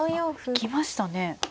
行きましたね。